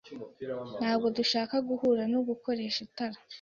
Ntabwo dushaka guhura nogukoresha itara.